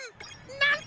なんと！？